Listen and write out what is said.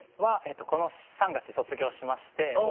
この３月で卒業しまして。